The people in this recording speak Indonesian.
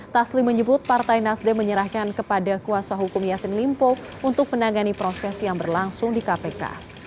taslim menyebut partai nasdem menyerahkan kepada kuasa hukum yassin limpo untuk menangani proses yang berlangsung di kpk